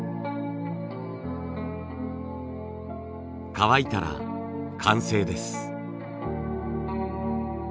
乾いたら完成です。